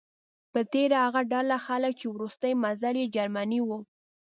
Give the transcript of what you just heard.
په تیره هغه ډله خلک چې وروستی منزل یې جرمني و.